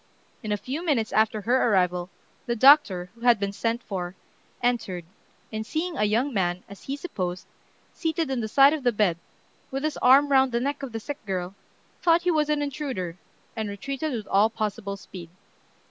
In a few minutes after her arrival, the doctor, who had been sent for, entered, and seeing a young man, as he supposed, seated on the side of the bed, with his arm round the neck of the sick girl, thought he was an intruder, and retreated with all possible speed.